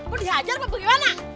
berdihajar apa gimana